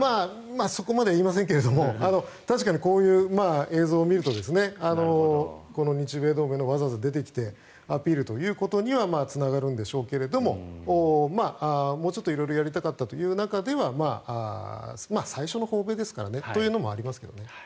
そこまでは言いませんが確かにこういう映像を見ると日米同盟の、わざわざ出てきてアピールという形にはつながるんでしょうけどももうちょっと色々やりたかったという中では最初の訪米ですからねというのもありますけどね。